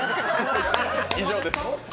以上です。